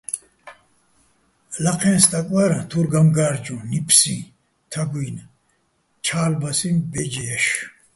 ლაჴეჼ სტაკ ვარ, თურ გამგა́რჯუჼ, ნიფსიჼ, თაგუჲნი̆, ჩა́ლბასიჼ ბეჯ ჲაშ.